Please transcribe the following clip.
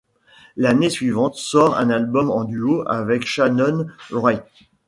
L'année suivante sort un album en duo avec Shannon Wright.